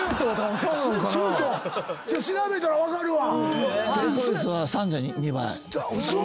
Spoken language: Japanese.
調べたら分かるわ！